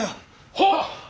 はっ！